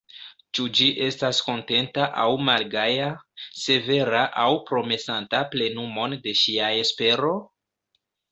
Ĉu ĝi estas kontenta aŭ malgaja, severa aŭ promesanta plenumon de ŝia espero?